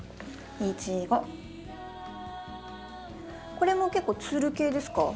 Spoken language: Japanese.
これも結構つる系ですか？